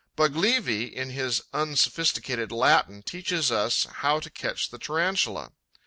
Baglivi, in his unsophisticated Latin, teaches us how to catch the Tarantula.